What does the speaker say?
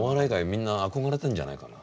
みんな憧れてんじゃないかな。